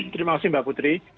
terima kasih mbak putri